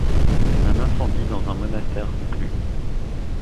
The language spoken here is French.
Un incendie dans un monastère reclus.